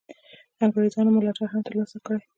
انګرېزانو ملاتړ هم تر لاسه کړي.